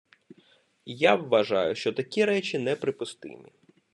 Я вважаю, що такі речі неприпустимі.